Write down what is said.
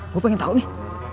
gue pengen tahu nih